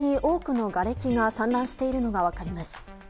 海沿いに多くのがれきが散乱しているのが分かります。